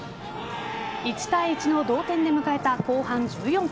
１対１の同点で迎えた後半１４分。